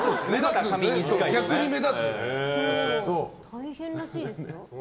大変らしいですよ。